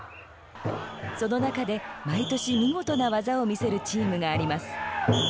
その中で毎年見事な技を見せるチームがあります。